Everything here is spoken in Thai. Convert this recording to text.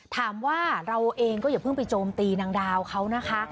ถามว่าเราเองก็อย่าเพิ่งไปโจมตีนางดาวเขานะคะ